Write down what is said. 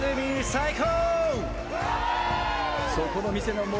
最高！